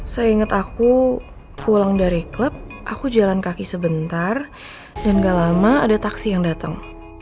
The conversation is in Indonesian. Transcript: saya ingat aku pulang dari klub aku jalan kaki sebentar dan gak lama ada taksi yang datang